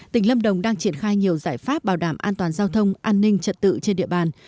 tỉnh lâm đồng đang triển khai nhiều giải pháp bảo đảm an toàn giao thông an ninh trật tự trên địa bàn